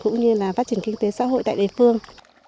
cũng như là phát triển kinh tế xã hội tại địa phương